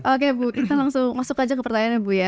oke bu kita langsung masuk aja ke pertanyaan bu